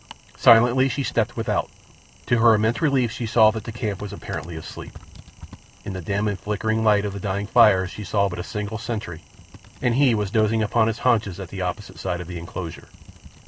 Silently she stepped without. To her immense relief she saw that the camp was apparently asleep. In the dim and flickering light of the dying fires she saw but a single sentry, and he was dozing upon his haunches at the opposite side of the enclosure.